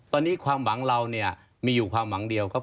ตอนนี้ความหวังเราเนี่ยมีอยู่ความหวังเดียวครับ